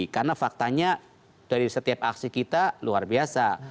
karena faktanya dari setiap aksi kita luar biasa